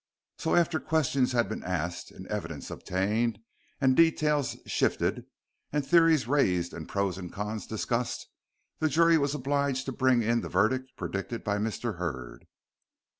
So after questions had been asked and evidence obtained, and details shifted, and theories raised, and pros and cons discussed, the jury was obliged to bring in the verdict predicted by Mr. Hurd.